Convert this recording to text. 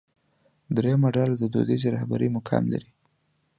درېیمه ډله د دودیزې رهبرۍ مقام لري.